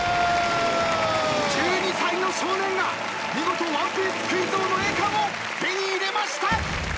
１２歳の少年が見事ワンピースクイズ王の栄冠を手に入れました！